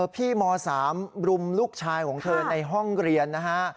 ม๓รุมลูกชายของเธอในห้องเรียนนะฮะ